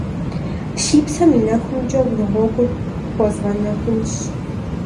Си псэм и нэхумкӏэ, уи гъуэгур пхуэзгъэнэхунщ.